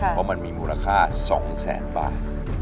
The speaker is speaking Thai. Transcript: เพราะมันมีมูลค่า๒แสนบาท